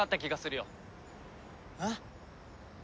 えっ？